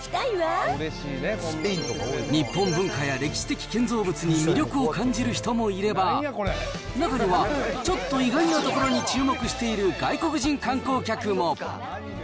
日本文化や歴史的建造物に魅力を感じる人もいれば、中にはちょっと意外なところに注目している外国人観光客も。